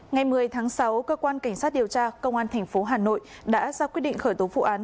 ngày một mươi tháng sáu cơ quan cảnh sát điều tra công an tp hà nội đã ra quyết định khởi tố vụ án